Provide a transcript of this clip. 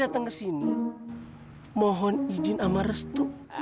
oh terima kasih pak pen